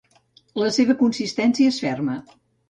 La seva consistència és ferma.